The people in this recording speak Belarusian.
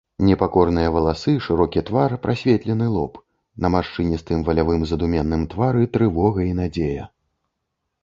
Непакорныя валасы, шырокі твар, прасветлены лоб, на маршчыністым валявым задуменным твары трывога і надзея.